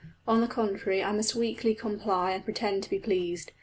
On the contrary, I must weakly comply and pretend to be pleased.